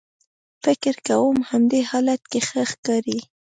فکر کوم په همدې حالت کې ښه ښکارې.